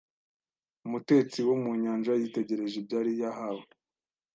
Umutetsi wo mu nyanja yitegereje ibyari yahawe.